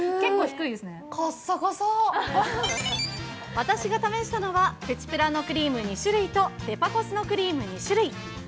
私が試したのは、プチプラのクリーム２種類とデパコスのクリーム２種類。